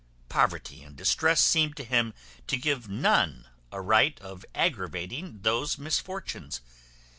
Poverty and distress seemed to him to give none a right of aggravating those misfortunes.